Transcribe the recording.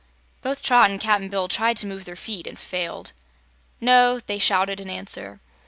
Both Trot and Cap'n Bill tried to move their feet and failed. "No!" they shouted in answer.